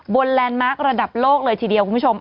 แลนด์มาร์คระดับโลกเลยทีเดียวคุณผู้ชม